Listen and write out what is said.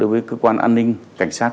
đối với cơ quan an ninh cảnh sát